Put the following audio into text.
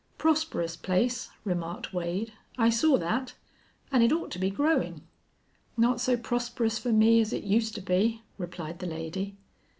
"Prosperous place," remarked Wade. "I saw that. An' it ought to be growin'." "Not so prosperous fer me as it uster be," replied the lady.